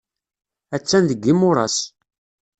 Attan deg yimuras.